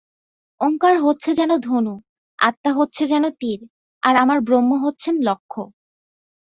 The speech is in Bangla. ওঙ্কার হচ্ছে যেন ধনু, আত্মা হচ্ছে যেন তীর, আর ব্রহ্ম হচ্ছেন লক্ষ্য।